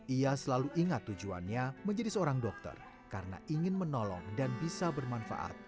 ia selalu ingat tujuannya menjadi seorang dokter karena ingin menolong dan bisa bermanfaat